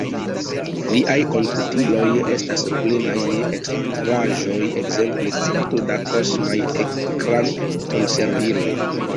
Liaj komputiloj estaj plenaj je ekstraĵoj, ekzemple cento da kosmaj ekrankonserviloj!